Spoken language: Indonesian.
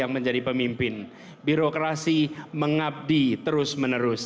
mengabdi terus menerus